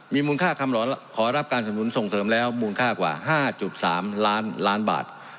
มีมูลค่าคำขอรับการสำนุนส่งเสริมแล้วมูลค่ากว่า๕๓ล้านล้านบาท